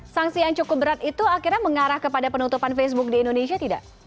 sanksi yang cukup berat itu akhirnya mengarah kepada penutupan facebook di indonesia tidak